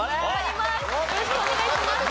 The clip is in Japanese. よろしくお願いします！